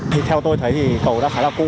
thì theo tôi thấy thì cầu đã khá là cụ